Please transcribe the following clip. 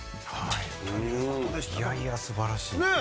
いやいや、素晴らしい！